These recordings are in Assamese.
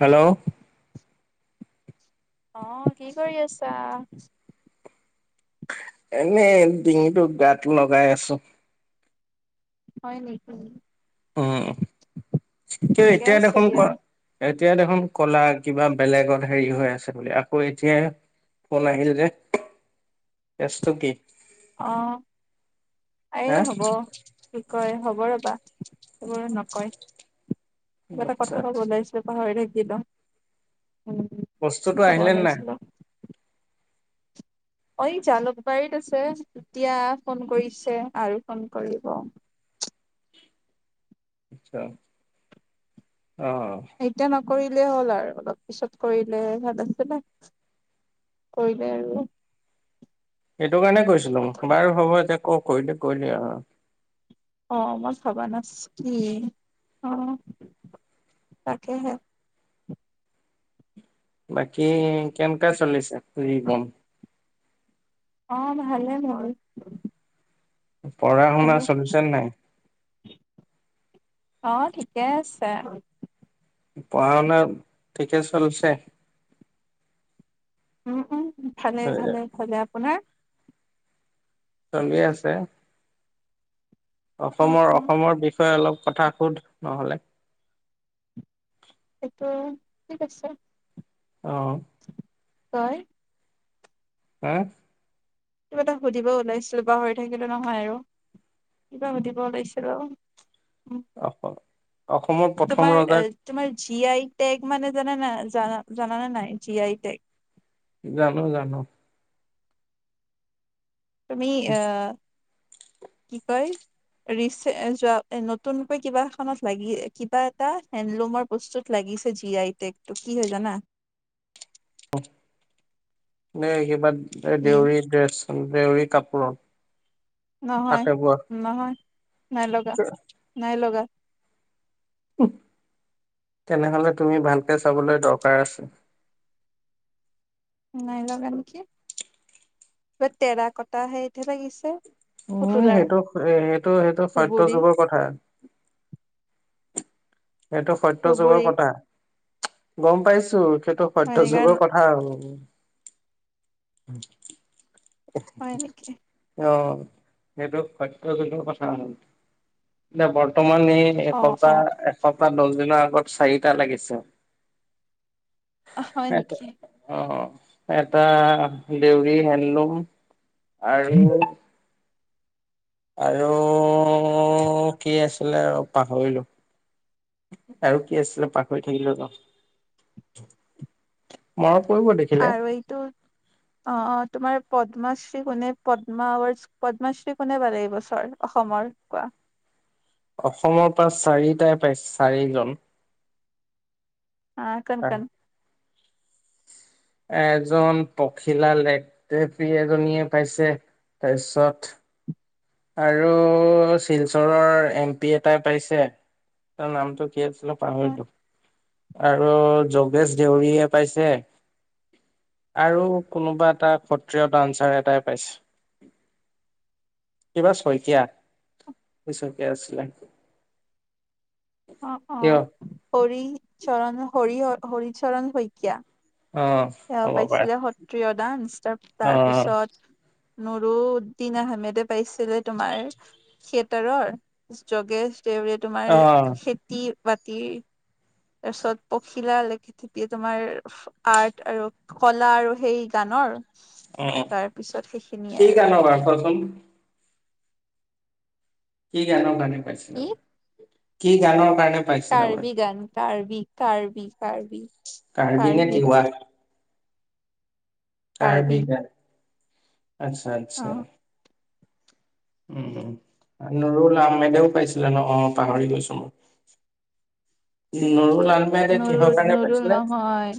হেল্ল'? অ'! কি কৰি আছা? এনেই, ডিঙিটো গাত লগাই আছোঁ। হয় নেকি? উম। কি ঠিকে এতিয়া আছে দেখোন, দিয়া কোৱা এতিয়া দেখোন ক'লা, কিবা বেলেগত সেৰি হৈ আছে বুলি। আকৌ, এতিয়াই ফোন আহিল যে, কেচটো কি? অ'! এই হা হ'ব। কি কয়, হ'ব ৰ'বা। সেইবোৰ নকয়। কিবা এটা আচ্ছা কথা ক'ব ওলাইছিলোঁ, পাহৰি থাকি দিব। বস্তুটো আহিলে নাই? অ'! এই জালুকবাৰীত আছে। তেতিয়া, ফোন কৰিছে আৰু ফোন কৰিব। আচ্ছা। অ'! কৰিলে হ'ল আৰু অলপ পিছত, কৰিলে ভাল আছিলে। কৰিলে আৰু এইটো কাৰণে, কৈছিলোঁ বাৰু হ'ব এতিয়া। ক কৰিলি কৰিলি আৰু। অ মছ ভবা নাছ কি অ তাকেহে। বাকী কেনেকা চলিছে জীৱন? অ ভালে মোৰ। পঢ়া শুনা ভালে চলিছে নাই? অ ঠিকে আছে। পঢ়া শুনা ঠিকে চলিছে? উম উম। ভালে ভালে খলে আপোনাৰ? চলি আছে। অ অসমৰ অ অসমৰ বিষয়ে অলপ কথা সোধ নহলে! এটো ঠিক আছে। অ। পায়। আ। কিবা এটা সুধিব ওলাইছিলোঁ পাহৰি থাকিলো নহয় আৰু কিবা সুধিব ওলাইছিলোঁ। অসম অসমৰ প্ৰথম ৰজাক। টি আই টেক মানে জানা নাই জানা জানানে নাই জি আই টেক। জানো জানো। তুমি অ। কি কয় ৰিচেজ যোৱা এ নতুনকৈ কিবা এখনত লাগি কিবা এটা হেণ্ডলুমৰ বস্তুত লাগিছে জি আই টেকটো কি হয় জানা? ন সেইবাদ। এ ই দেউৰী ড্ৰেছ। দেউৰী কাপোৰ। নহয় নহয় নাই লগা নাই লগা। উহ তেনেহলে তুমি ভালকে চাবলৈ দৰকাৰ আছে। নাই লগা নেকি কিবা তেৰা কটা সেইতহে লাগিছে। উ পুতলাৰ সেইটো এইটো হেইটো সত্য ধুবুৰী যুগৰ কথা। এইেটো সত্য যুগৰ ধুবুৰী কথা। গম পাইছো। সেইটো সত্য হয়নেকা যুগৰ কথা আৰু। [inaudible] হয়নেকি। সেইটো সত্য যুগৰ কথা নে বৰ। বৰ্তমান এই অ একযা অ এশ। পাত দচ দিনৰ আগত চাৰিটা লাগিছে। হয় এটো নেকি অ। এটা দেউৰী হেণ্ডলুম আৰু। আৰু কি আছিলে আৰু পাহৰিলো আৰু কি আছিলে পাহৰি থাকিলো য মৰম। আৰু এইটো অ অ। তোমাৰ পদ্মাশ্ৰী কোনে পদ্মা উৱদছ পদ্মাশ্ৰী কোনে বালে এই বছৰ অসমৰ কোৱা? অসমৰ পৰা চাৰিটাই পাইছ চাৰিজন। আহ কন কন। এজন পখিলা লেকটেপি এজনীয়ে পাইছে তাপিছত। আৰু শিলচৰৰ এম পি এটাই পাইছে তাৰ নামটো। কি আছিলে পাহৰিলোঁ। আৰু যোগেশ দেউৰীয়ে পাইছে আৰু কোনোবা এটা সত্ৰীয় ডানচাৰ এটাই পাইছে। কিবা চইকীয়া কি চইকীয়া আছিলে। অ অ কিয় কৰি। চৰণ হৰি হৰি। চৰণ শইকীয়া অ', এয়া হ'ব পাৰে পাইছিলে, সত্ৰিয় ডানস অ', তাৰ-তাৰপিছত নৰুউদ্দিন আহমেদে পাইছিলে তোমাৰ থিয়েটাৰৰ, যোগেশ ৰে তোমাৰ অ', খেতি বাতি তাৰপিছত পখিলা [unintelligible] তোমাৰ আৰ্ট আৰু কলা আৰু সেই গানৰ উম, উম, তাৰপিছত সেইখিনিয়ে কি আৰু কাৰণে বাৰু [unintelligible] কি গানৰ কাৰণে? কি পাইছিলোঁ। কি গানৰ [unintelligible] পাইছিলে বি কাৰ্বি কাৰ্বি, নে কাৰ্বি তিৱা? গান। কাৰ্বি গান। আচ্ছা, অ আচ্ছা। উম উম, নৰুল আহমেদেও পাইছিলে ন অ পাহৰি গৈছো। নৰু নৰুদ নৰুল নহয়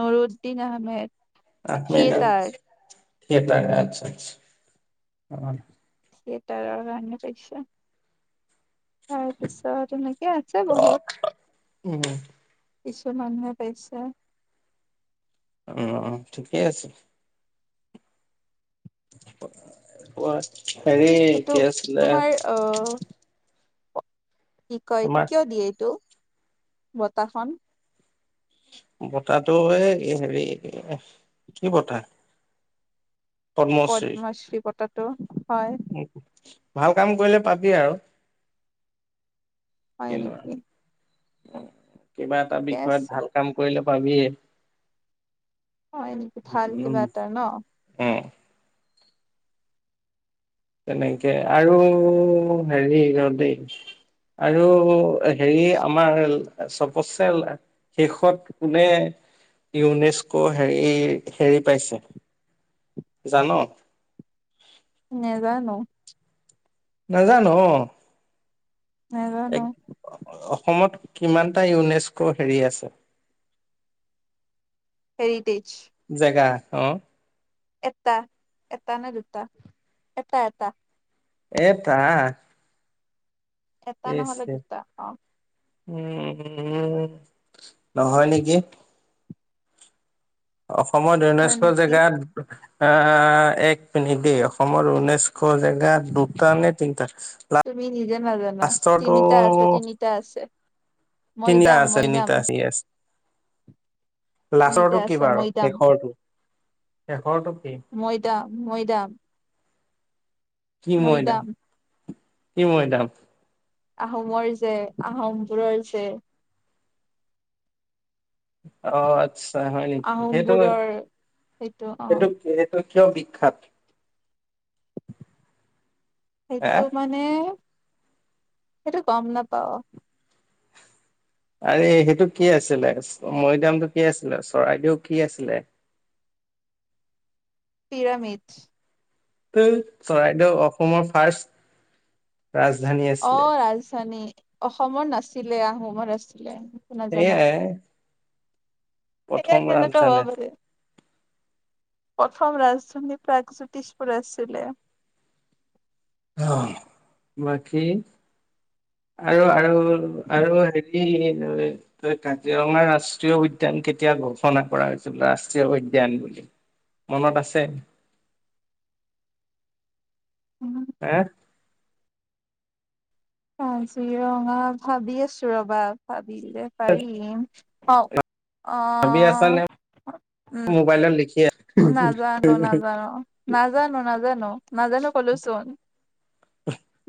নৰুদ, দিন আহমেদ। আহমেদ, থিয়েটাৰ সেই তাকে আচ্ছা আচ্ছা [unintelligible] থিয়েটাৰ কাৰ [unintelligible] তাৰপিছত, এনেকে আছে বহুত। উম, কিছুমানে পেইচা [unintelligible] উম উম, ঠিকেই আছে। অ। হেৰি এইটো কি আছিলে? তোমাৰ অ কি কয়, এইটো আমাৰ কিয় দিয়ে এইটো। বতাহখন। বতটো এই হেৰি, কি বতাহ? পদ্মশ্ৰী বটাটো। হয়। ভাল কাম কৰিলে পাবি আৰু হয় কিনো নেকি। [inaudible] কিবা এটা ঠিকে বিষয়ত আছে ভাল কাম কৰিলে পাবিয়ে অ', এনেকে ভাল উম উম কিবা এটা ন? তেনেকে আৰু হেৰি ৰ দেই আৰু হেৰি আমাৰ চবতচে শেষত কোনে ইউনেস্কো হেৰি, হেৰি পাইছে জান'? নেজানো। নাজান'? নেজানো এক, অ-অসমত কিমান টা ইউনেস্কো হেৰি আছে? টেৰিটি জেগা অ'। এটা। এটানে-দুটা। এটা-এটা। এটা? এটা নহ'লে দুটা। অ'। উম, উম, নহয় নেকি? অসমৰ হয় ইউনেস্ক' নেকি জেগাত অ', এক পিনি দেই অসমৰ ঊনৈছশ জেগাত দুটা নে তিনিটা। তুমি নিজে নাজানা লাষ্টৰটো তিনিটা আছে, তিনিটা আছে। তিনিটা মৈদাম আছে, মৈদাম তিনিটা আ আছে। তিনিটা লাষ্টৰটো কি আছে বাৰ মৈদাম শেষৰটো? শেষৰটো কি মৈদাম, মৈদাম। মৈদাম। কি মৈদাম? আহোমৰ যে, আহোমবোৰৰ যে। অ'। আচ্ছা, হয় নেকি, সেইটো, আহোমবোৰৰ সেইটো, সেইটো কিয় বিখ্যাত? হে সেইটো মানে সেইটো গম নাপাওঁ। আৰে সেইটো কি আছিলে? চ-মৈদামটো কি আছিলে? চৰাইদেউ কি আছিলে? পিৰামিড। তো! চৰাইদেউ অসমৰ ফাৰ্ষ্ট ৰাজধানী আছিলে অ', ৰাজধানী। অসমৰ নাছিলে, আহোমৰ আাছিলে। সেইয়াই। সেই কে নক হোৱা বুলি প্ৰথম ৰাজধানী প্ৰাক জ্যোতিষপুৰছিলে। অ বাকী আৰু আৰু আৰু হেৰি ত কাজিৰঙা ৰাষ্ট্ৰীয় উদ্যান কেতিয়া ঘোষণা কৰা হৈছিল ৰাষ্ট্ৰীয় উদ্যয়ান বুলি মনত আছে? উম, হে, কাজিৰঙা ভাবি আছো ৰবা ভাব দিল পাৰিম। অ। অ ভাবি আছা নে উম মোবাইলত লিখি আ নাজানো নাজানো নাজানো নাজানো নাজানো কলোচোন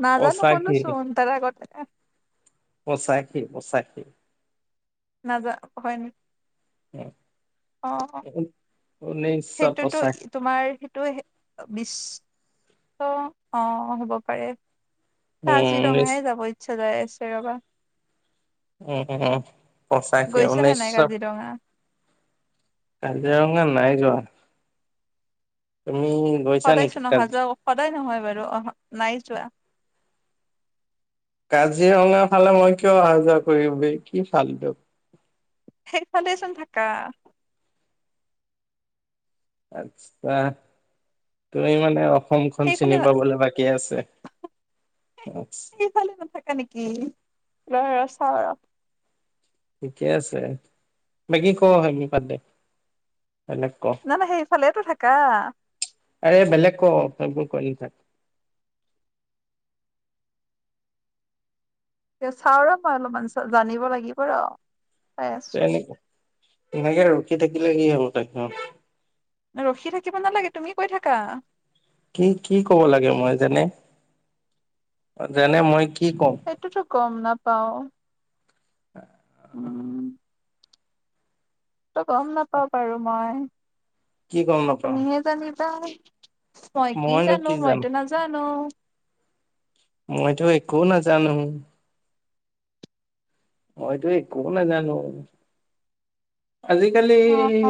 নাজানো পঁচাশী কলোচোন তাৰা [unintelligible] পচাখী পচাখী। নাযা হয় নেকি অ অ [unintelligible] সেইটোতো পঁচাশী তোমাৰ টো বিশ আহ হ'ব পাৰে, ঊনৈছ কাজিৰঙাই যাব ইচ জাই আছে ৰবা। উম উম উম পচাখী গৈছে নে নাই ঊনৈছশ কাজিৰঙা কাজিৰঙা নাই যোৱা। তুমি গৈছা সদায় নেকি চোন নহ কাজ যোৱা সদায় নহয় বাৰু অহ নাই যোৱা। কাজিৰঙা ফালে মই কিয় অহা যোৱা কৰিবি কি ফাল টো সেইফালেচোন থাকা। আচ্ছা তুমি মানে অসমখন সেইফালে চিনি পাবলৈ বাকী আছে আচ্ছা, ন ৰ চাও ৰ, ঠিকে আছে বাকী ক আমি বাদ দে বেলেগ ক নাই নাই সেইফালেটো থাকা এই বেলেগ ক সেইবোৰ কৈ নাথাক। চাওঁ ৰ মই অলপমান জানিব লাগিব ৰ। চাই আছোঁ। তেনেকে ৰখি থাকিলে কি হ'ব? [unintelligible] ৰখি থাকিব নালাগে তুমি কৈ থাকা। কি, কি ক'ব লাগে মই? যেনে, যেনে মই কি ক'ম এইটোতো গম না পাওঁ। [unintelligible] ত' গম নাপাওঁ বাৰু মই। কি গম নাপাওঁ তুমিহে জানিবা। মই কি মইনো জানোঁ? জানো মইতো নাজানোঁ। মইতো একো নাজানোঁ। মইতো একো নাজানোঁ। আজিকালি অ অ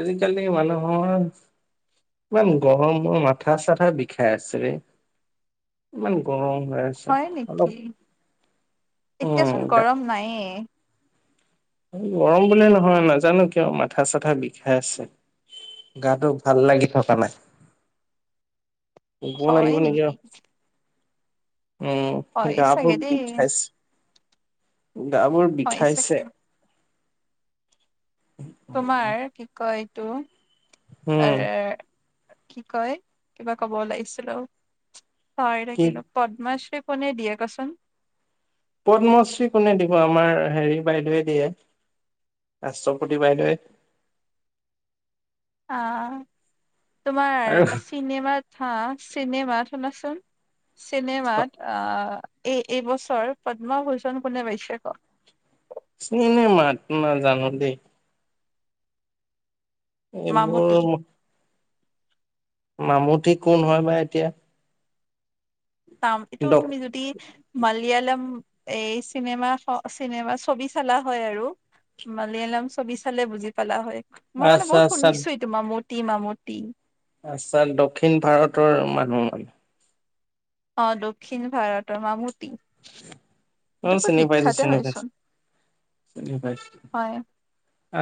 আজিকালি মানুহৰ ইমান গৰমৰ মাথা, চাথা বিখাই আছে ৰে, ইমান গৰম হৈ আছে হয়, অলপ নিকি? এতিয়াচোন উম গৰম নায়ে। গৰম বুলিয়ে নহয় নাজানো কিয় মাথা চাথা বিষাই আছে গাটো ভাল লাগি থকা নাই শুব হয় লাগিব নিকি নেকি আও উম হয় গা চাগে বোৰ দেই বিষাইছ গা বোৰ হয় চাগে বিষাইছে তোমাৰ কি কয় এইটো আ উম ৰে কি কয় কিবা কব ওলাছিলো পাহৰি কি থাকিলো পদ্মাশ্ৰী কোনে দিয়ে কচোন পদ্মশ্ৰী কোনে দিব আমাৰ হেৰি বাইদেৱে দিয়ে ৰাষ্ট্ৰপতি বাইদেৱে অ তোমাৰ আৰু চিনেমাত হা চিনেমাত শুনাচোন চিনেমাত আ এই এই বছৰ পদ্মভূষণ কোনে পাইছে ক চিনেমাত না জানো দেই এইবোৰ মামুটি ম মামুঠি কোন হয় বা এতিয়া? তাম এইটো ডক তুমি যদি মালয়ালম এই চিনেমা খ চিনেমা ছবি চালা হয় আৰু মালিয়ালম ছবি চালে বুজি পালা হয়। মই মানে আচ্ছা বহুত আচ্ছা শুনিচোয়ে তোমাৰ মোত তি মা মূৰ্তি আচ্ছা, দক্ষিণ ভাৰতৰ মানুহ মানে অ', দক্ষিণ ভাৰতৰ মামু অ', চিনি পাইছোঁ, বিখ্যাতে চিনি হয়চোন পাইছোঁ, চিনি পাইছোঁ, হয়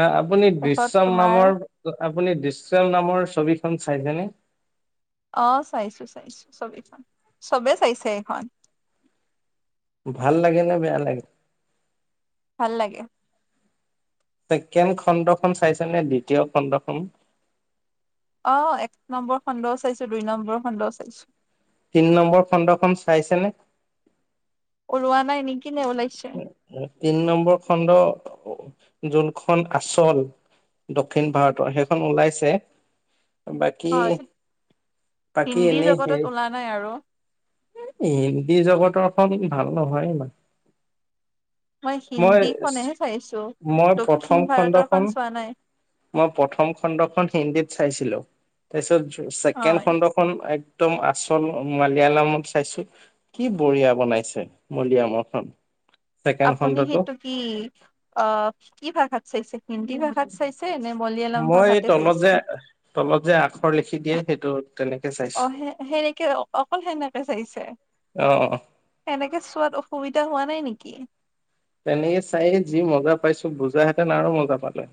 অ', আপুনি তাৰছত দৃশ্যম তোমাৰ নামৰ আপুনি দৃশ্য নামৰ ছবিখন চাইছেনে [inaudible] অ চাইছো চাইছো ছবিখন চবে চাইছে এইখন [inaudible] ভাল লাগে নে বেয়া লাগে [inaudible] ভাল লাগে [inaudible] ছেকেণ্ড খণ্ডখন চাইছে নে দ্বিতীয় খণ্ডখন [inaudible] অ এক নম্বৰ খণ্ডও চাইছো দুই নম্বৰৰ খডও চাইছো [inaudible] তিনি নম্বৰ খণ্ডখন চাইছেনে [inaudible] ৰোৱা নাই নেকি নে ওলাইছে তিনি নম্বৰ খণ্ড [inaudible] যোনখন আচল দক্ষিণ ভাৰতৰ সেইখন ওলাইছে [inaudible] বাকী হয় বাকী হিন্দী এনেই জগতত হেৰি ওলা নাই আৰু হিন্দী জগতৰ ভাল হয় ন মই হিন্দীখনেহে চাইছো। মই দক্ষিণ প্ৰথম ভাৰতৰখন খণ্ডখন চোৱা নাই। মই প্ৰথম খণ্ডখন হিন্দীত চাইছিলো। তাৰপিছত ছেকেণ্ড হয়, খণ্ডখন এক একদম আচল মালিয়ালমত চাইছো কি বঢ়িয়া বনাইছে মলয়ামৰখনন। আপুনি সেইটো কি অ কি ভাষাত চাইছে হিন্দী ভাষাত চাইছে নে মলয়ালম মই এই ভাষাতে তলত চাইছে? যে তলত যে আখৰ লিখি দিয়ে সেইটো তেনেকে অ চাইছোঁ। সে সেনেকে অকল সেনেকে চাইছে অ', সেনেকে চোৱাত অসুবিধা হোৱা নাই নেকি? কি? তেনেকে চাইে যি মজা পাইছো বুজ হেঁতেন আৰু মজা পালে